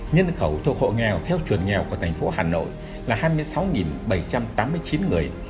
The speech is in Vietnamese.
nhân khẩu thuộc hộ nghèo theo chuẩn nghèo của thành phố hà nội là hai mươi sáu bảy trăm tám mươi chín người